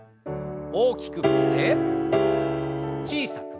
大きく振って小さく。